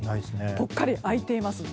ぽっかり空いています。